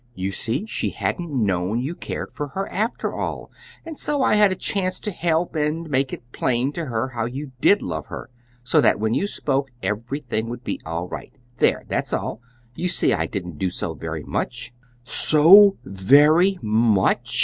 You see, she hadn't known you cared for her, after all, and so I had a chance to help and make it plain to her how you did love her, so that when you spoke everything would be all right. There, that's all. You see I didn't do so very much." "'So very much'!"